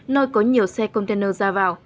nơi có nhiều xe container ra vào